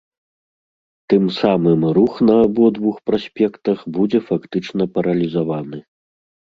Тым самым рух на абодвух праспектах будзе фактычна паралізаваны.